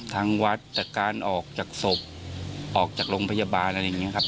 ทางวัดจากการออกจากศพออกจากโรงพยาบาลอะไรอย่างนี้ครับ